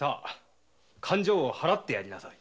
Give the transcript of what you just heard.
勘定を払ってやりなさい。